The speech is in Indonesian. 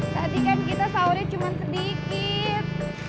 tadi kan kita sahurnya cuma sedikit